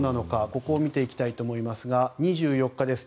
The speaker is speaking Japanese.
ここを見ていきたいと思いますが２４日です。